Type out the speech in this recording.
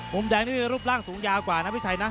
มุมแดงนี่รูปร่างสูงยาวกว่านะพี่ชัยนะ